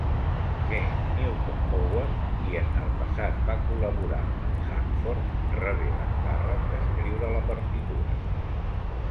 James Newton Howard, qui en el passat va col·laborar amb Hackford, rebé l'encàrrec d'escriure la partitura.